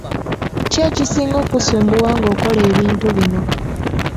Ki ekisinga okkusumbuwa nga okola ebintu bino?